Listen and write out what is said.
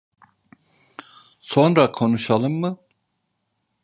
Sonra konuşalım mı?